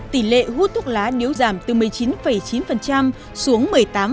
tỉ lệ hút thuốc lá nếu giảm từ một mươi chín chín xuống một mươi tám hai